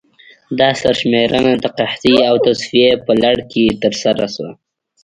دا سرشمېرنه د قحطۍ او تصفیې په لړ کې ترسره شوه.